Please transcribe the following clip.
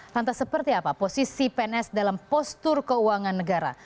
lantas seperti apa posisi pns dalam postur keuangan negara